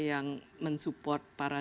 yang mensupport para